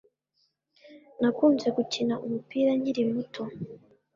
Nakunze gukina umupira nkiri muto